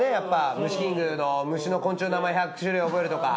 『ムシキング』の虫の昆虫の名前１００種類覚えるとか。